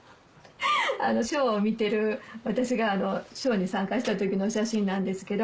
ショーを見てる私がショーに参加した時の写真なんですけど。